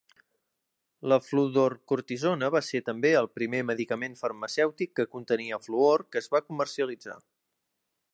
La Fludrocortisone va ser també el primer medicament farmacèutic que contenia fluor que es va comercialitzar.